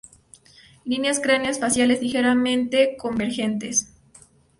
Líneas cráneo faciales ligeramente convergentes.